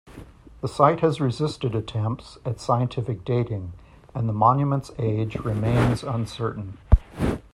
The site has resisted attempts at scientific dating and the monument's age remains uncertain.